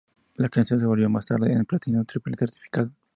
La canción se volvió más tarde en platino triple certificado.